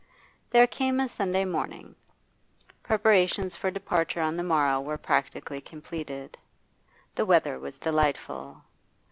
There came a Sunday morning. Preparations for departure on the morrow were practically completed. The weather was delightful.